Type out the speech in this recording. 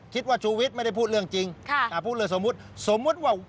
คิดว่าชูวิตไม่ได้พูดเรื่องจริงถ้าพูดเรื่องสมมติค่ะสมมติว่า